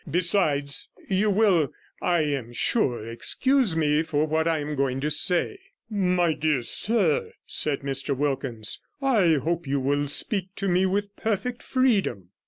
Besides, you will, I am sure, excuse me for what I am going to say.' 'My dear sir,' said Mr Wilkins,' I hope you will speak to me with perfect freedom.'